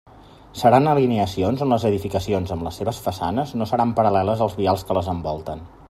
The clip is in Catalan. Seran alineacions on les edificacions, amb les seves façanes no seran paral·leles als vials que les envolten.